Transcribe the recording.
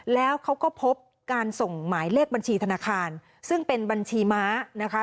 แล้วเขาก็พบการส่งหมายเลขบัญชีธนาคารซึ่งเป็นบัญชีม้านะคะ